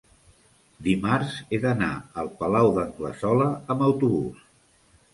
dimarts he d'anar al Palau d'Anglesola amb autobús.